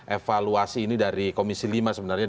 evaluasi ini dari komisi lima sebenarnya